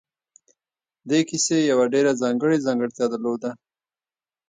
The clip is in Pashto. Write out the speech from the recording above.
دې کیسې یوه ډېره ځانګړې ځانګړتیا درلوده